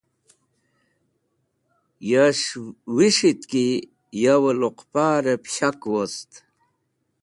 Yash wis̃hit ki yo loqparẽb shak wost.